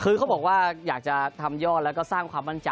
คือเขาบอกว่าอยากจะทำยอดแล้วก็สร้างความมั่นใจ